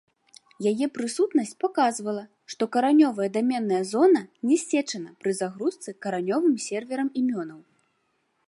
Яе прысутнасць паказвала, што каранёвая даменная зона не ссечана пры загрузцы каранёвым серверам імёнаў.